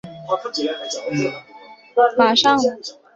布干维尔自治区是巴布亚新几内亚唯一的自治区。